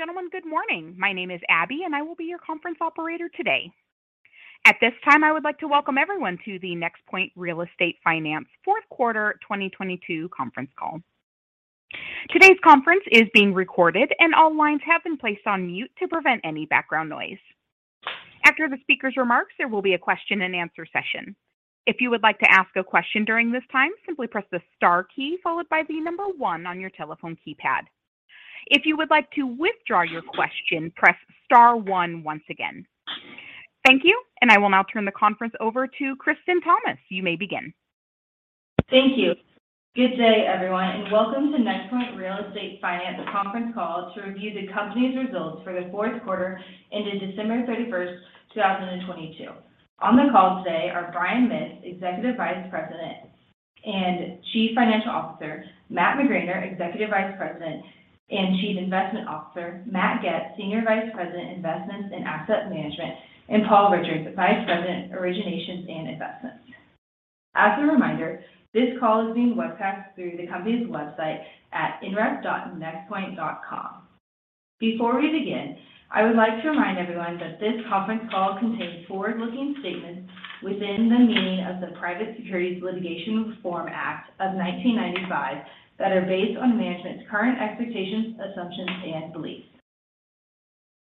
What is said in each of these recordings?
Ladies and gentlemen, good morning. My name is Abby. I will be your conference operator today. At this time, I would like to welcome everyone to the NexPoint Real Estate Finance Fourth Quarter 2022 conference call. Today's conference is being recorded. All lines have been placed on mute to prevent any background noise. After the speaker's remarks, there will be a question-and-answer session. If you would like to ask a question during this time, simply press the star key followed by the one on your telephone keypad. If you would like to withdraw your question, press star one once again. Thank you. I will now turn the conference over to Kristen Thomas. You may begin. Thank you. Good day, everyone, and welcome to NexPoint Real Estate Finance conference call to review the company's results for the fourth quarter ended December 31st, 2022. On the call today are Brian Mitts, Executive Vice President and Chief Financial Officer, Matt McGraner, Executive Vice President and Chief Investment Officer, Matt Goetz, Senior Vice President, Investments and Asset Management, and Paul Richards, Vice President, Originations and Investments. As a reminder, this call is being webcast through the company's website at nref.nexpoint.com. Before we begin, I would like to remind everyone that this conference call contains forward-looking statements within the meaning of the Private Securities Litigation Reform Act of 1995 that are based on management's current expectations, assumptions, and beliefs.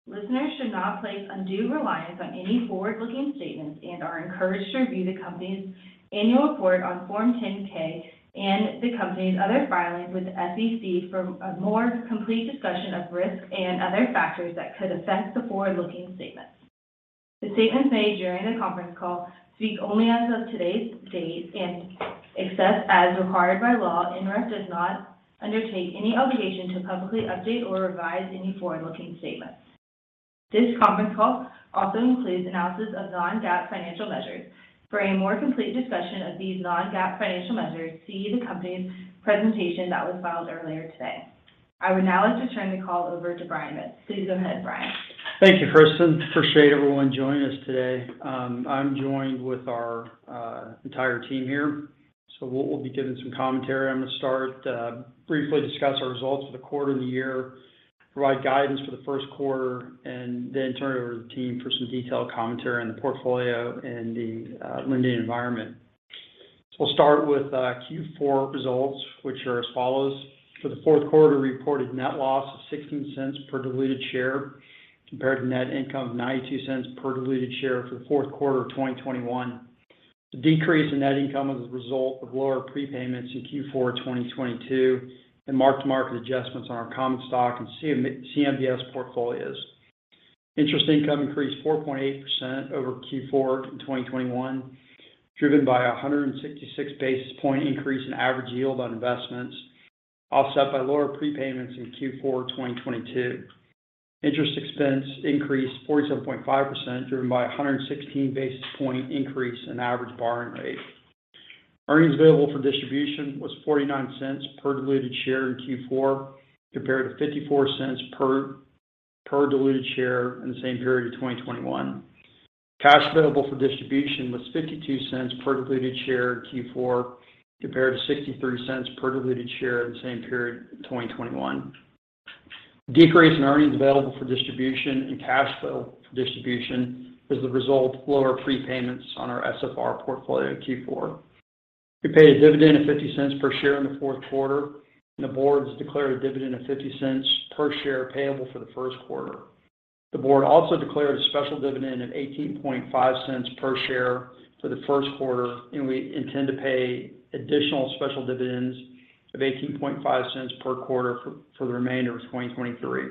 Listeners should not place undue reliance on any forward-looking statements and are encouraged to review the company's annual report on Form 10-K and the company's other filings with the SEC for a more complete discussion of risks and other factors that could affect the forward-looking statements. The statements made during the conference call speak only as of today's date and except as required by law, NREF does not undertake any obligation to publicly update or revise any forward-looking statements. This conference call also includes analysis of non-GAAP financial measures. For a more complete discussion of these non-GAAP financial measures, see the company's presentation that was filed earlier today. I would now like to turn the call over to Brian Mitts. Please go ahead, Brian. Thank you, Kristen. Appreciate everyone joining us today. I'm joined with our entire team here. We'll be giving some commentary. I'm gonna start, briefly discuss our results for the quarter and the year, provide guidance for the first quarter, and then turn it over to the team for some detailed commentary on the portfolio and the lending environment. We'll start with Q4 results, which are as follows. For the fourth quarter, we reported net loss of $0.16 per diluted share compared to net income of $0.92 per diluted share for the fourth quarter of 2021. The decrease in net income was a result of lower prepayments in Q4 2022 and mark-to-market adjustments on our common stock and CMBS portfolios. Interest income increased 4.8% over Q4 in 2021, driven by a 166 basis point increase in average yield on investments, offset by lower prepayments in Q4 2022. Interest expense increased 47.5%, driven by a 116 basis point increase in average borrowing rate. Earnings available for distribution was $0.49 per diluted share in Q4, compared to $0.54 per diluted share in the same period of 2021. Cash available for distribution was $0.52 per diluted share in Q4, compared to $0.63 per diluted share in the same period in 2021. Decrease in earnings available for distribution and cash flow for distribution was the result of lower prepayments on our SFR portfolio in Q4. We paid a dividend of $0.50 per share in the fourth quarter. The board has declared a dividend of $0.50 per share payable for the first quarter. The board also declared a special dividend of $0.185 per share for the first quarter. We intend to pay additional special dividends of $0.185 per quarter for the remainder of 2023.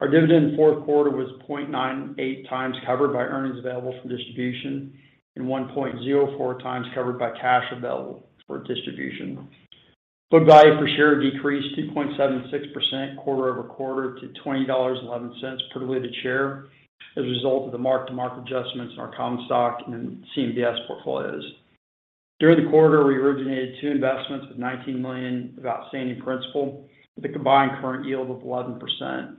Our dividend in the fourth quarter was 0.98x covered by earnings available for distribution and 1.04x covered by cash available for distribution. Book value per share decreased 2.76% quarter-over-quarter to $20.11 per diluted share as a result of the mark-to-market adjustments in our common stock and CMBS portfolios. During the quarter, we originated two investments of $19 million of outstanding principal with a combined current yield of 11%.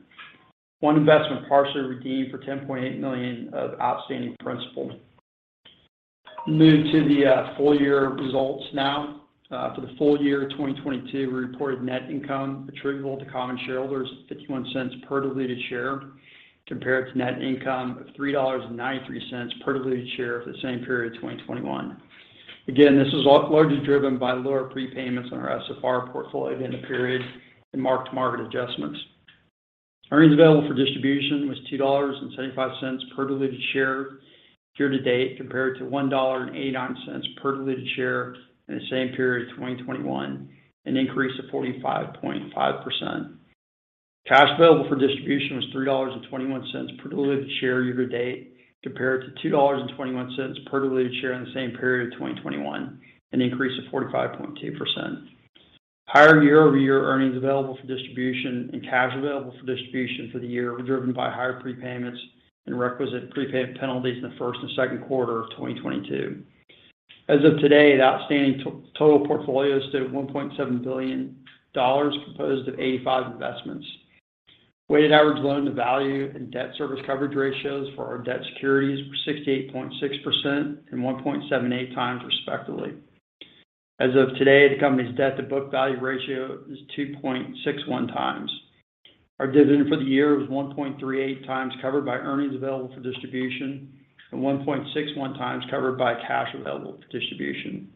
One investment partially redeemed for $10.8 million of outstanding principal. Moving to the full-year results now. For the full year of 2022, we reported net income attributable to common shareholders of $0.51 per diluted share compared to net income of $3.93 per diluted share for the same period of 2021. Again, this was largely driven by lower prepayments on our SFR portfolio during the period and mark-to-market adjustments. Earnings available for distribution was $2.75 per diluted share year-to-date, compared to $1.89 per diluted share in the same period 2021, an increase of 45.5%. Cash available for distribution was $3.21 per diluted share year-to-date, compared to $2.21 per diluted share in the same period of 2021, an increase of 45.2%. Higher year-over-year earnings available for distribution and cash available for distribution for the year were driven by higher prepayments and requisite prepayment penalties in the first and second quarter of 2022. As of today, the outstanding total portfolio stood at $1.7 billion, composed of 85 investments. Weighted average loan-to-value and debt service coverage ratios for our debt securities were 68.6% and 1.78x respectively. As of today, the company's debt to book value ratio is 2.61x. Our dividend for the year was 1.38x covered by earnings available for distribution and 1.61x covered by cash available for distribution.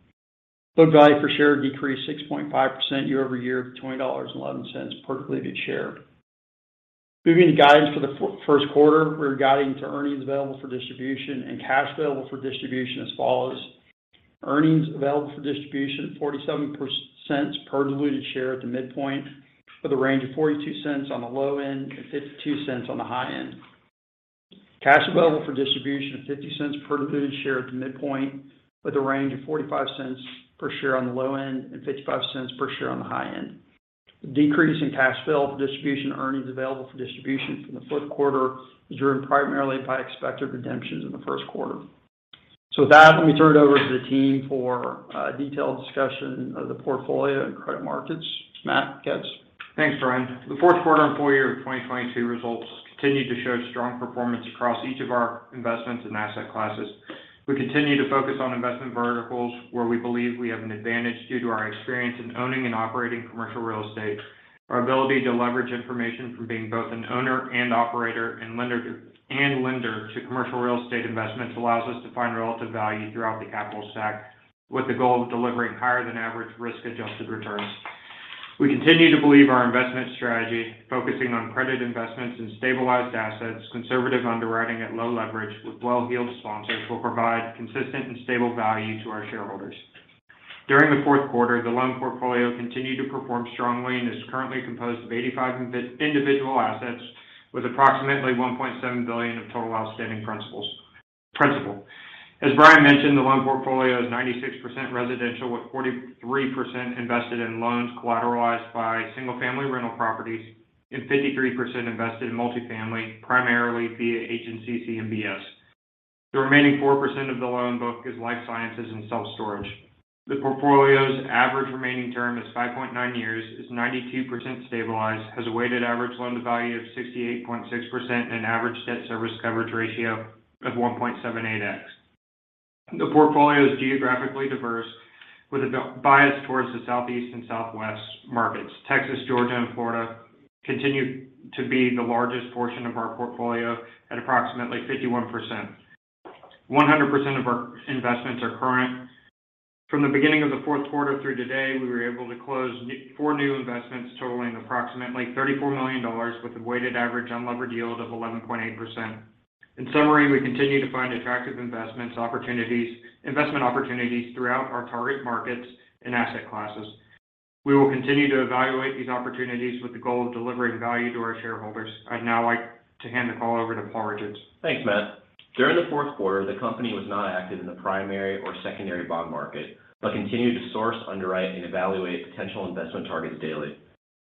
Book value per share decreased 6.5% year-over-year to $20.11 per diluted share. Moving to guidance for the first quarter, we're guiding to earnings available for distribution and cash available for distribution as follows: earnings available for distribution, 47% per diluted share at the midpoint, with a range of $0.42 on the low end and $0.52 on the high end. Cash available for distribution of $0.50 per diluted share at the midpoint, with a range of $0.45 per share on the low end and $0.55 per share on the high end. Decrease in cash available for distribution, earnings available for distribution from the fourth quarter is driven primarily by expected redemptions in the first quarter. With that, let me turn it over to the team for a detailed discussion of the portfolio and credit markets. Matt Goetz. Thanks, Brian. The fourth quarter and full year of 2022 results continued to show strong performance across each of our investments and asset classes. We continue to focus on investment verticals where we believe we have an advantage due to our experience in owning and operating commercial real estate. Our ability to leverage information from being both an owner and operator and lender to commercial real estate investments allows us to find relative value throughout the capital stack, with the goal of delivering higher than average risk-adjusted returns. We continue to believe our investment strategy, focusing on credit investments and stabilized assets, conservative underwriting at low leverage with well-heeled sponsors, will provide consistent and stable value to our shareholders. During the fourth quarter, the loan portfolio continued to perform strongly and is currently composed of 85 individual assets with approximately $1.7 billion of total outstanding principal. As Brian mentioned, the loan portfolio is 96% residential, with 43% invested in loans collateralized by single-family rental properties and 53% invested in multifamily, primarily via agency CMBS. The remaining 4% of the loan book is life sciences and self-storage. The portfolio's average remaining term is 5.9 years, is 92% stabilized, has a weighted average loan-to-value of 68.6% and an average debt service coverage ratio of 1.78x. The portfolio is geographically diverse, with a bias towards the Southeast and Southwest markets. Texas, Georgia, and Florida continue to be the largest portion of our portfolio at approximately 51%. One hundred percent of our investments are current. From the beginning of the fourth quarter through today, we were able to close four new investments totaling approximately $34 million, with a weighted average unlevered yield of 11.8%. In summary, we continue to find attractive investment opportunities throughout our target markets and asset classes. We will continue to evaluate these opportunities with the goal of delivering value to our shareholders. I'd now like to hand the call over to Paul Richards. Thanks, Matt. During the fourth quarter, the company was not active in the primary or secondary bond market, but continued to source, underwrite, and evaluate potential investment targets daily.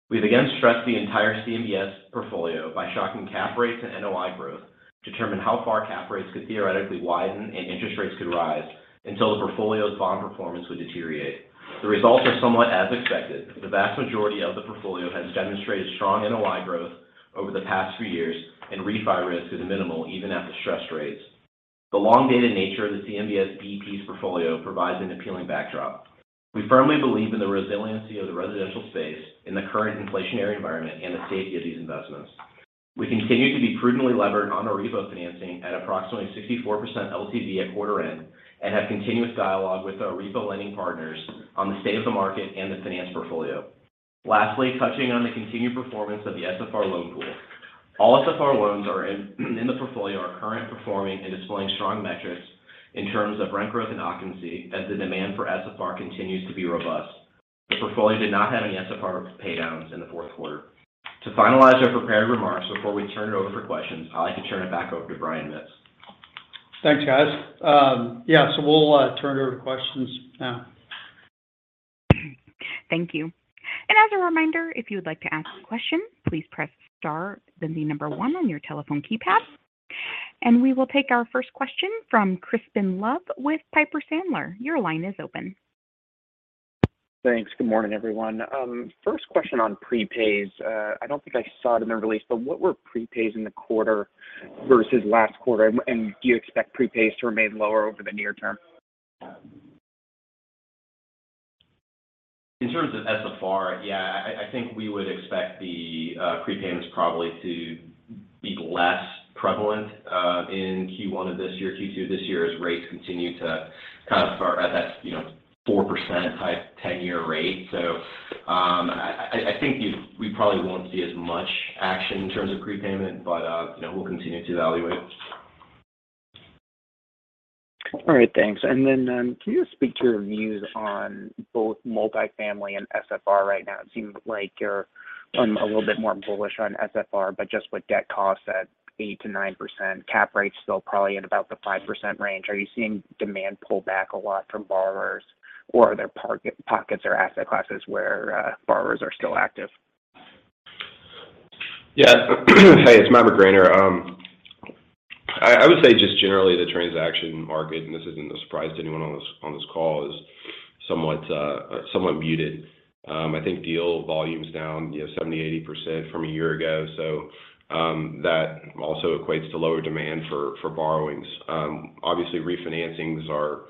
We've again stressed the entire CMBS portfolio by shocking cap rates and NOI growth to determine how far cap rates could theoretically widen and interest rates could rise until the portfolio's bond performance would deteriorate. The results are somewhat as expected. The vast majority of the portfolio has demonstrated strong NOI growth over the past few years, and refi risk is minimal even at the stress rates. The long-dated nature of the CMBS B-Piece portfolio provides an appealing backdrop. We firmly believe in the resiliency of the residential space in the current inflationary environment and the safety of these investments. We continue to be prudently levered on our repo financing at approximately 64% LTV at quarter end and have continuous dialogue with our repo lending partners on the state of the market and the finance portfolio. Lastly, touching on the continued performance of the SFR loan pool. All SFR loans in the portfolio are current performing and displaying strong metrics in terms of rent growth and occupancy as the demand for SFR continues to be robust. The portfolio did not have any SFR pay downs in the fourth quarter. To finalize our prepared remarks before we turn it over for questions, I'd like to turn it back over to Brian Mitts. Thanks, guys. We'll turn it over to questions now. Thank you. As a reminder, if you would like to ask a question, please press star, then the number one on your telephone keypad. We will take our first question from Crispin Love with Piper Sandler. Your line is open. Thanks. Good morning, everyone. First question on prepays. I don't think I saw it in the release, but what were prepays in the quarter versus last quarter? Do you expect prepays to remain lower over the near term? In terms of SFR, yeah, I think we would expect the prepayments probably to be less prevalent, in Q1 of this year, Q2 this year as rates continue to kind of hover at that, you know, 4% type 10-year rate. I think we probably won't see as much action in terms of prepayment, but, you know, we'll continue to evaluate. All right. Thanks. Can you just speak to your views on both multifamily and SFR right now? It seems like you're a little bit more bullish on SFR, but just with debt costs at 8%-9%, cap rates still probably at about the 5% range. Are you seeing demand pull back a lot from borrowers, or are there pockets or asset classes where borrowers are still active? Yeah. Hey, it's Matt McGraner.I would say just generally the transaction market, and this isn't a surprise to anyone on this call, is somewhat muted. I think deal volume's down, you know, 70%-80% from a year ago. That also equates to lower demand for borrowings. Obviously refinancings are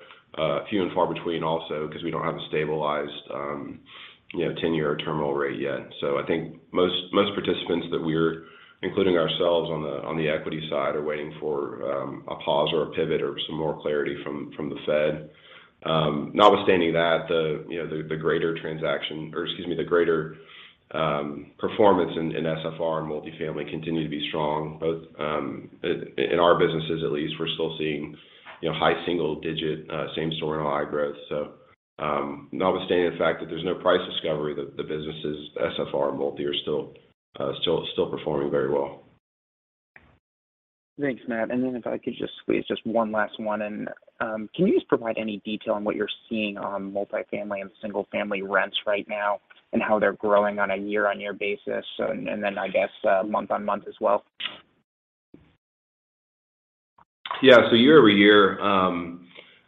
few and far between also because we don't have a stabilized, you know, tenure terminal rate yet. I think most participants that we're including ourselves on the equity side are waiting for a pause or a pivot or some more clarity from the Fed. Notwithstanding that, the, you know, the greater transaction or excuse me, the greater performance in SFR and multifamily continue to be strong. Both, in our businesses, at least, we're still seeing, you know, high single-digit, same store and high growth. Notwithstanding the fact that there's no price discovery that the businesses SFR and multi are still performing very well. Thanks, Matt. If I could just squeeze just one last one in. Can you just provide any detail on what you're seeing on multifamily and single-family rents right now and how they're growing on a year-on-year basis, month-on-month as well? Yeah. Year-over-year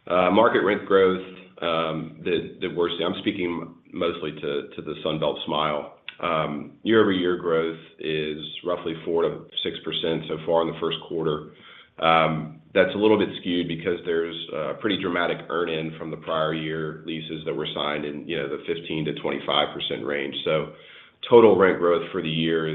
market rent growth that we're seeing, I'm speaking mostly to the Sun Belt/Smile. Year-over-year growth is roughly 4%-6% so far in the first quarter. That's a little bit skewed because there's a pretty dramatic earn in from the prior-year leases that were signed in, you know, the 15%-25% range. Total rent growth for the year,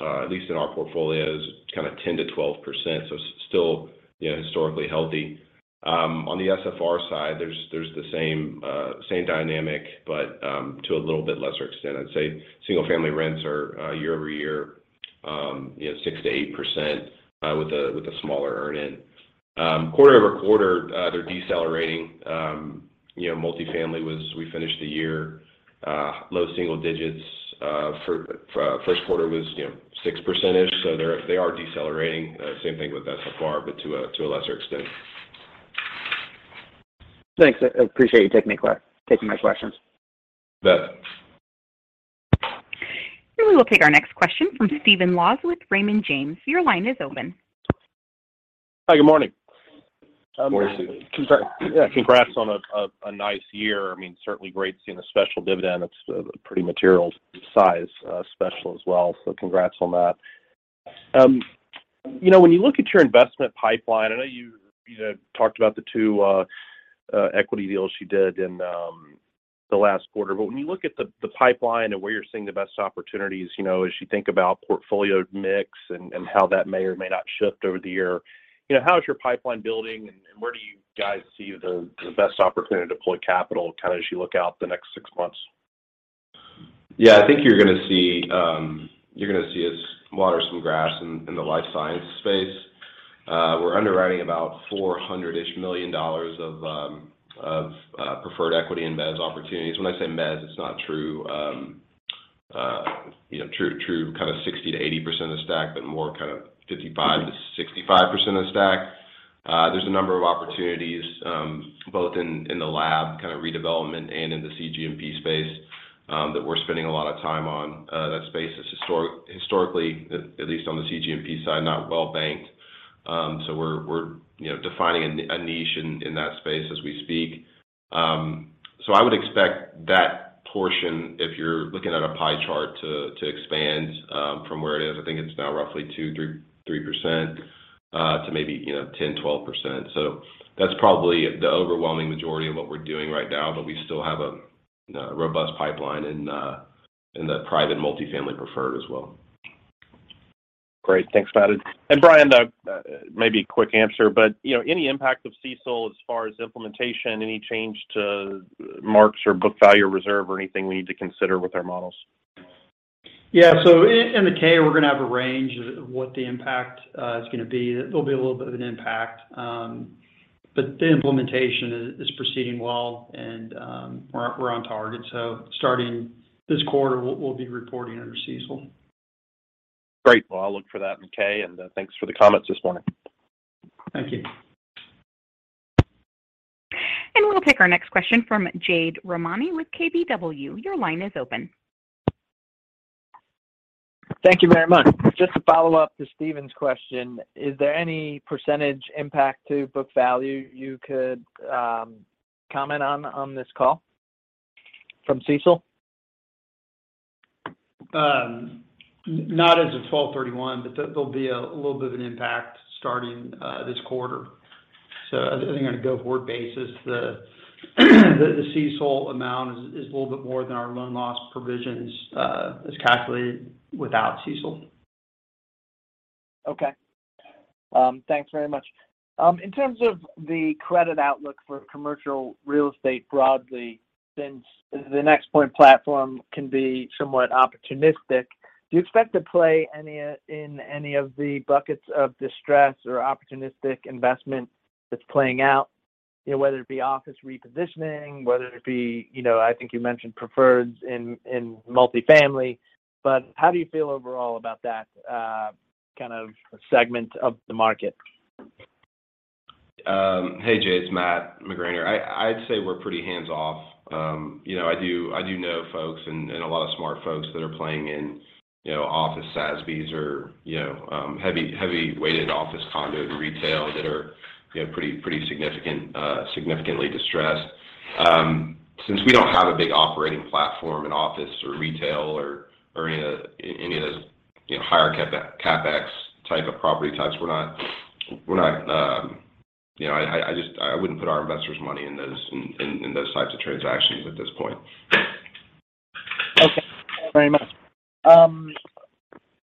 at least in our portfolio, is kinda 10%-12%. Still, you know, historically healthy. On the SFR side, there's the same dynamic but to a little bit lesser extent. I'd say single-family rents are year-over-year, you know, 6%-8%, with a smaller earn in. Quarter-over-quarter, they're decelerating. You know, multifamily we finished the year, low single digits. First quarter was, you know, 6%. They are decelerating. Same thing with SFR, but to a lesser extent. Thanks. I appreciate you taking my questions. You bet. We will take our next question from Stephen Laws with Raymond James. Your line is open. Hi. Good morning. Morning, Stephen. Congrats. Yeah, congrats on a nice year. I mean, certainly great seeing a special dividend. It's a pretty material size, special as well. Congrats on that. You know, when you look at your investment pipeline, I know you know, talked about the two equity deals you did in the last quarter. When you look at the pipeline and where you're seeing the best opportunities, you know, as you think about portfolio mix and how that may or may not shift over the year, you know, how is your pipeline building, and where do you guys see the best opportunity to deploy capital kinda as you look out the next six months? Yeah. I think you're gonna see, you're gonna see us water some grass in the life science space. We're underwriting about $400 million-ish of preferred equity in mezz opportunities. When I say mezz, it's not true, you know, kinda 60%-80% of stack, but more kind of 55%-65% of the stack. There's a number of opportunities, both in the lab kinda redevelopment and in the cGMP space, that we're spending a lot of time on. That space is historically, at least on the cGMP side, not well banked. We're, you know, defining a niche in that space as we speak. I would expect that portion, if you're looking at a pie chart, to expand from where it is. I think it's now roughly 2%-3% to maybe, you know, 10%-12%. That's probably the overwhelming majority of what we're doing right now, but we still have a robust pipeline in the private multifamily preferred as well. Great. Thanks, Matt. Brian, maybe a quick answer, you know, any impact of CECL as far as implementation, any change to marks or book value reserve or anything we need to consider with our models? Yeah. In the K, we're gonna have a range of what the impact is gonna be. There'll be a little bit of an impact. The implementation is proceeding well, and we're on target. Starting this quarter, we'll be reporting under CECL. Great. Well, I'll look for that in K, and thanks for the comments this morning. Thank you. We'll take our next question from Jade Rahmani with KBW. Your line is open. Thank you very much. Just to follow up to Stephen's question, is there any percentage impact to book value you could comment on this call from CECL? Not as of December 31, but there'll be a little bit of an impact starting this quarter. I think on a go-forward basis, the CECL amount is a little bit more than our loan loss provisions as calculated without CECL. Okay. Thanks very much. In terms of the credit outlook for commercial real estate broadly, since the NexPoint platform can be somewhat opportunistic, do you expect to play in any of the buckets of distress or opportunistic investment that's playing out, you know, whether it be office repositioning, whether it be, you know, I think you mentioned preferreds in multifamily, but how do you feel overall about that kind of segment of the market? Hey, Jade, it's Matt McGraner. I'd say we're pretty hands-off. You know, I do know folks and a lot of smart folks that are playing in, you know, office SASBs or, you know, heavy-weighted office condos and retail that are, you know, pretty significantly distressed. Since we don't have a big operating platform in office or retail or any of those, you know, higher-CapEx type of property types, we're not. You know, I wouldn't put our investors' money in those types of transactions at this point. Okay. Thank you very much.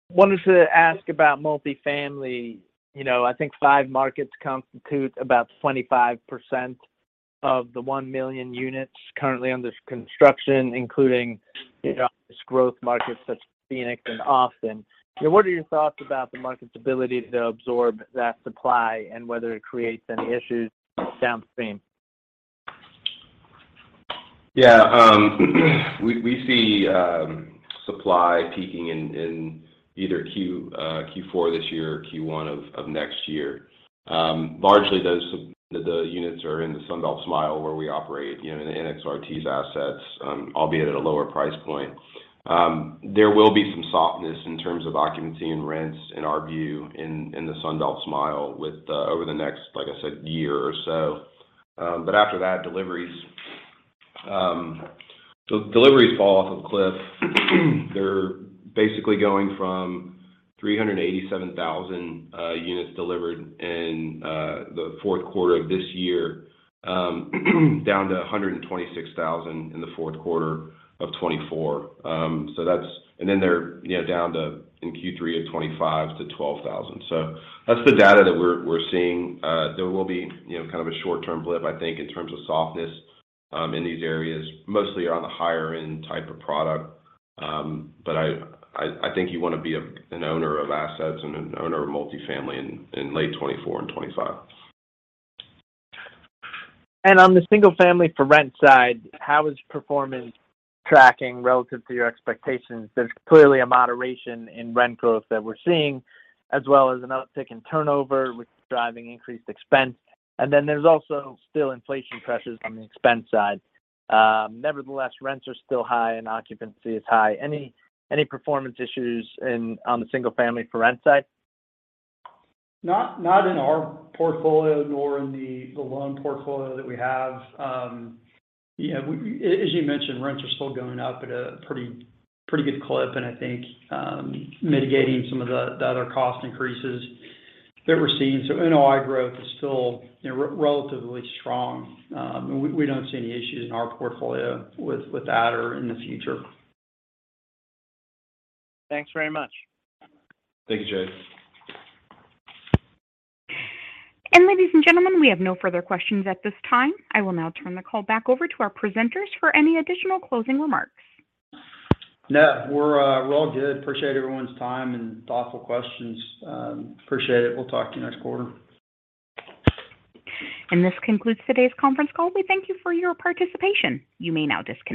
wanted to ask about multifamily. You know, I think five markets constitute about 25% of the 1 million units currently under construction, including, you know, these growth markets such as Phoenix and Austin. You know, what are your thoughts about the market's ability to absorb that supply and whether it creates any issues downstream? We see supply peaking in either Q4 this year or Q1 of next year. Largely the units are in the Sun Belt/Smile where we operate, you know, in the NXRT's assets, albeit at a lower price point. There will be some softness in terms of occupancy and rents in our view in the Sun Belt/Smile with over the next, like I said, year or so. But after that, deliveries fall off a cliff. They're basically going from 387,000 units delivered in the fourth quarter of this year, down to 126,000 units in the fourth quarter of 2024. Then they're, you know, down to in Q3 of 2025 to 12,000 units. That's the data that we're seeing. There will be, you know, kind of a short-term blip, I think, in terms of softness, in these areas, mostly on the higher end type of product. But I think you want to be an owner of assets and an owner of multifamily in late 2024 and 2025. On the single-family for rent side, how is performance tracking relative to your expectations? There's clearly a moderation in rent growth that we're seeing, as well as an uptick in turnover, which is driving increased expense. There's also still inflation pressures on the expense side. Nevertheless, rents are still high and occupancy is high. Any performance issues on the single-family for rent side? Not in our portfolio, nor in the loan portfolio that we have. you know, as you mentioned, rents are still going up at a pretty good clip, and I think, mitigating some of the other cost increases that we're seeing. NOI growth is still, you know, relatively strong. We don't see any issues in our portfolio with that or in the future. Thanks very much. Thank you, Jade. Ladies and gentlemen, we have no further questions at this time. I will now turn the call back over to our presenters for any additional closing remarks. No, we're all good. Appreciate everyone's time and thoughtful questions. Appreciate it. We'll talk to you next quarter. This concludes today's conference call. We thank you for your participation. You may now disconnect.